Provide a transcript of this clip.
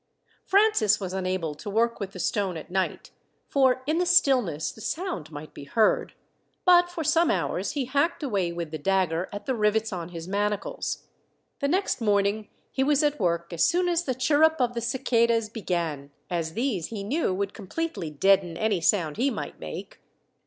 Francis was unable to work with the stone at night, for in the stillness the sound might be heard; but for some hours he hacked away with the dagger at the rivets on his manacles. The next morning he was at work as soon as the chirrup of the cicadas began, as these, he knew, would completely deaden any sound he might make.